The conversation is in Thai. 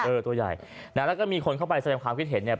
ตัวใหญ่นะแล้วก็มีคนเข้าไปแสดงความคิดเห็นเนี่ย